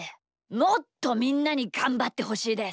もっとみんなにがんばってほしいです。